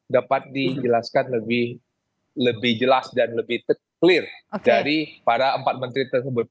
dapat dijelaskan lebih jelas dan lebih clear dari para empat menteri tersebut